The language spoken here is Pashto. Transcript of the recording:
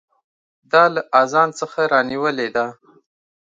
دا له اذان څخه رانیولې ده.